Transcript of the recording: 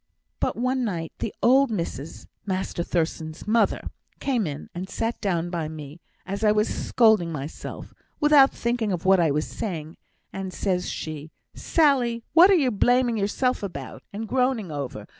But one night, the old missus (Master Thurstan's mother) came in, and sat down by me, as I was a scolding myself, without thinking of what I was saying; and, says she, 'Sally! what are you blaming yourself about, and groaning over?